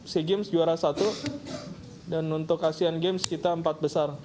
sea games juara satu dan untuk asean games kita empat besar